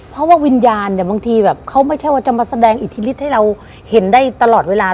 เพราะว่าวิญญาณเนี่ยบางทีแบบเขาไม่ใช่ว่าจะมาแสดงอิทธิฤทธิให้เราเห็นได้ตลอดเวลา